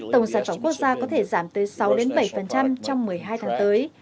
tổng giảm tổng quốc gia có thể giảm tới sáu bảy trong một mươi hai tháng tới